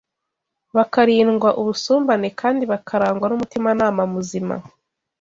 bakarindwa ubusumbane, kandi bakarangwa n’umutimanama muzima